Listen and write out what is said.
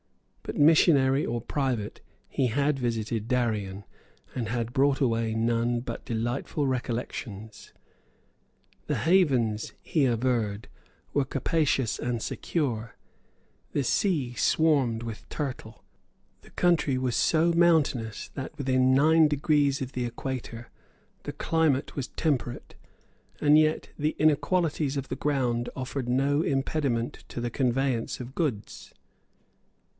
But, missionary or pirate, he had visited Darien, and had brought away none but delightful recollections. The havens, he averred, were capacious and secure; the sea swarmed with turtle; the country was so mountainous that, within nine degrees of the equator, the climate was temperate; and yet the inequalities of the ground offered no impediment to the conveyance of goods.